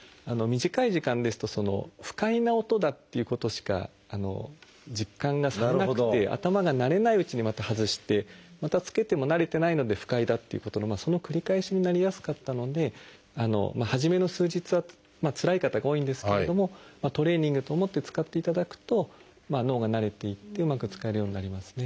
短い時間ですと不快な音だっていうことしか実感がされなくて頭が慣れないうちにまた外してまた着けても慣れてないので不快だっていうことのその繰り返しになりやすかったので初めの数日はつらい方が多いんですけれどもトレーニングと思って使っていただくと脳が慣れていってうまく使えるようになりますね。